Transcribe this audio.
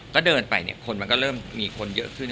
ก็เดินไปเนี่ยคนมันก็เริ่มมีคนเยอะขึ้น